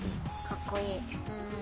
かっこいい。